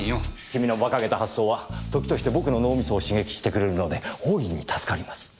君の馬鹿げた発想は時として僕の脳みそを刺激してくれるので大いに助かります。